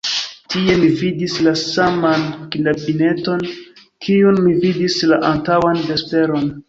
Tie mi vidis la saman knabineton, kiun mi vidis la antaŭan vesperon.